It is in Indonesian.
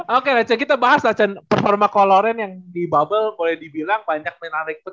oke lah c kita bahas lah c performa coloren yang di bubble boleh dibilang banyak menarik